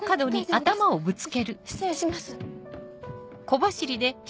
し失礼します。